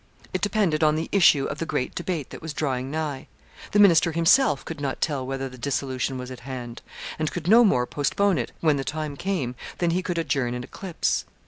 It depended on the issue of the great debate that was drawing nigh. The Minister himself could not tell whether the dissolution was at hand; and could no more postpone it, when the time came, than he could adjourn an eclipse.